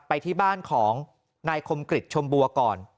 ไปที่บ้านของนายคมกริจชมบัวก่อน